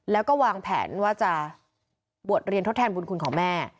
แล้วก็วางแผนว่าจะบวชเรียนทดแทนบุญคุณของแม่